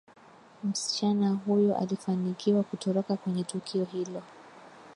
msichana huyo alifanikiwa kutoroka kwenye tukio hilo